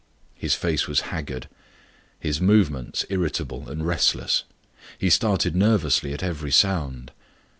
His face was haggard, his movements irritable and restless; he started nervously at every sound.